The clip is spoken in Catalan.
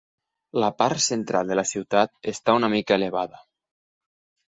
La part central de la ciutat està una mica elevada.